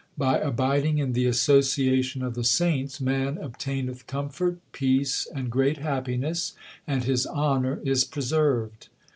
By abiding in the association of the saints man obtaineth comfort, peace, and great happiness, and his honour is preserved.